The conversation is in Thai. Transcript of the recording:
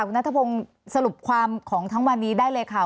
คุณนัทพงศ์สรุปความของทั้งวันนี้ได้เลยค่ะ